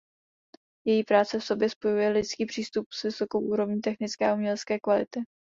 Její práce v sobě spojuje lidský přístup s vysokou úrovní technické a umělecké kvality.